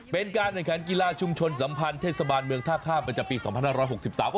เป็นการแข่งขันกีฬาชุมชนสัมพันธ์เทศบาลเมืองท่าข้ามประจำปีสองพันห้าร้อยหกสิบสาม